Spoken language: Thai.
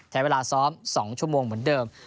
ใช้เวลาซ้อม๒ชั่วโมงเหมือนเดิม